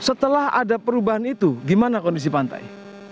setelah ada perubahan itu gimana kondisi pantai